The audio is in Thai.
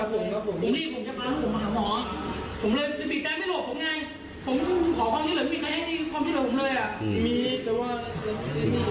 ผมรับลูก